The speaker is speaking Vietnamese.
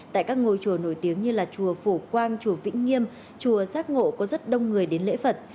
tại các ngôi chùa nổi tiếng như là chùa phủ quang chùa vĩnh nghiêm chùa giác ngộ có rất đông người đến lễ phật